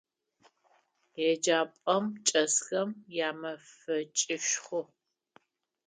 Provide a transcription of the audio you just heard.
Еджапӏэм чӏэсхэм ямэфэкӏышху.